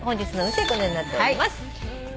このようになっております。